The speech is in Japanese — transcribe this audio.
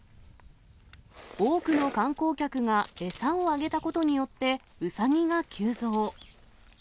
多くの観光客が餌をあげたことによって、ウサギが急増。